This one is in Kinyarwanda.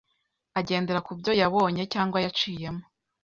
agendera kubyo yabonye cg yaciyemo